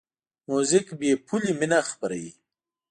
موزیک بېپوله مینه خپروي.